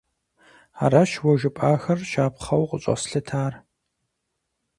Аращ уэ жыпӀахэр щапхъэу къыщӀэслъытар.